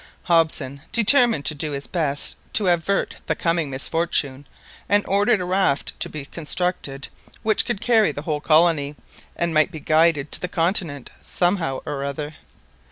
Hobson determined to do his best to avert the coming misfortune, and ordered a raft to be constructed which would carry the whole colony, and might be guided to the continent somehow or other.